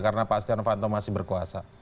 karena pak syanovanto masih berkuasa